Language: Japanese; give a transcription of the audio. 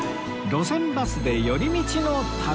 『路線バスで寄り道の旅』